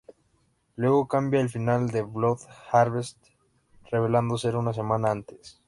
Luego, cambia al final de "Blood Harvest", revelando ser una semana antes.